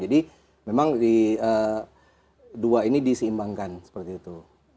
jadi memang dua ini diseimbangkan seperti itu